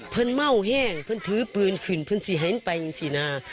เพิ่งเม่าแห้งเพิ่งถือปืนขึ้นเพิ่งสิหายไปสินะ